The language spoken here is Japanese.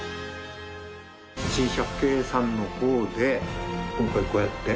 『珍百景』さんの方で今回こうやって。